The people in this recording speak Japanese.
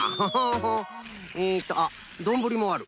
えっとあっどんぶりもある。